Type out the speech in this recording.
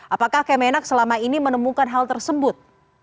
apakah kemenak selama ini menemukan hal tersebut